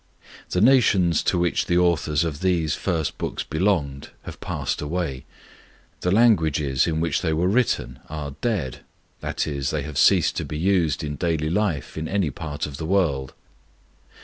The nations to which the authors of these first books belonged have passed away, the languages in which they were written are 'dead' that is, they have ceased to be used in daily life in any part of the world.